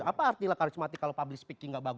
apa arti lah karismatik kalau public speakingnya kurang